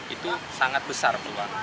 itu sangat besar